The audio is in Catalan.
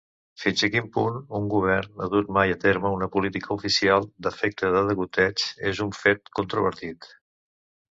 Fins a quin punt un govern ha dut mai a terme una política oficial d'efecte de degoteig és un fet controvertit.